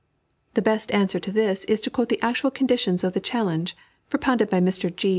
The best answer to this is to quote the actual conditions of the challenge propounded by Sir G.